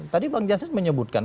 tadi bang jansud menyebutkan